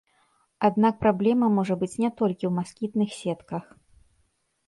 Аднак праблема можа быць не толькі ў маскітных сетках.